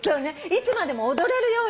いつまでも踊れるように。